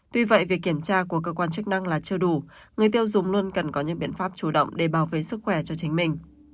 tuy vậy việc kiểm tra của cơ quan chức năng là chưa đủ người tiêu dùng luôn cần có những biện pháp chủ động để bảo vệ sức khỏe cho chính mình